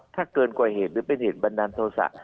ถ้าเกินกว่าเหตุหรือเป็นเหตุบันดาลโทษะ